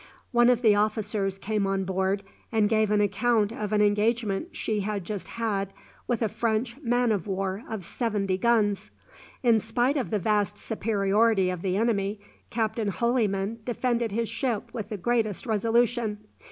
One of the officers came on board and gave an account of an engagement she had just had with a French man of war of seventy guns. In spite of the vast superiority of the enemy, Captain Holyman defended his ship with the greatest resolution.